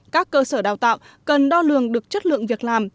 các cơ sở đào tạo cần đo lường được chất lượng việc làm